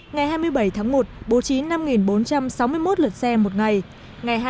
ngày hai mươi tám tháng một bố trí bảy chín trăm chín mươi lượt xe một ngày